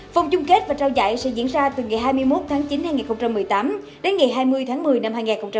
phòng chung kết và trao dạy sẽ diễn ra từ ngày hai mươi một tháng chín năm hai nghìn một mươi tám đến ngày hai mươi tháng một mươi năm hai nghìn một mươi tám